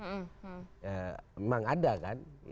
memang ada kan